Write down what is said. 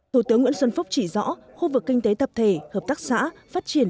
thủ tướng nguyễn xuân phúc chỉ rõ khu vực kinh tế tập thể hợp tác xã phát triển